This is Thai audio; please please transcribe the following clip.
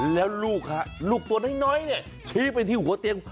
แล้วลูกฮะลูกตัวน้อยเนี่ยชี้ไปที่หัวเตียง